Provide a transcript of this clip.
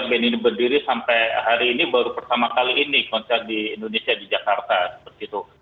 band ini berdiri sampai hari ini baru pertama kali ini konser di indonesia di jakarta seperti itu